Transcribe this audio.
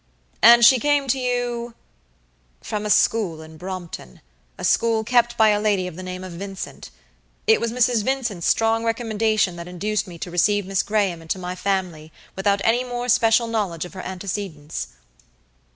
"And she came to you" "From a school at Brompton, a school kept by a lady of the name of Vincent. It was Mrs. Vincent's strong recommendation that induced me to receive Miss Graham into my family without any more special knowledge of her antecedents."